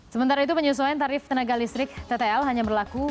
sementara itu penyesuaian tarif tenaga listrik ttl hanya berlaku